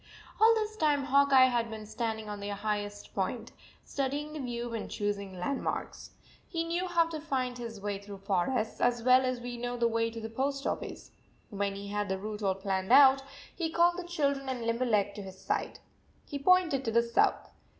. All this time Hawk Eye had been stand ing on the highest point, studying the view and choosing landmarks. He knew how to find his way through forests as well as we know the way to the post office. When he had the route all planned out, he called the children and Limberleg to his side. He pointed to the south.